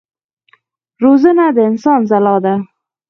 روزنه د انسان ځلا ده.